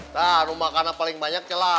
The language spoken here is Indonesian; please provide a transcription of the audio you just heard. nah kamu makan apa yang paling banyak ya lah